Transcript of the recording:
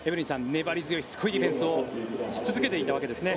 粘り強いしつこいディフェンスをし続けていたわけですね。